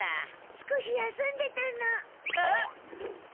少し休んでたの。え！？